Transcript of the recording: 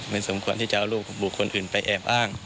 สมควรที่จะเอารูปบุคคลอื่นไปแอบอ้าง